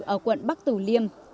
ở quận bắc tù liêm